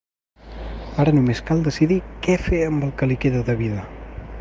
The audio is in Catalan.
Ara només cal decidir què fer amb el que li queda de vida.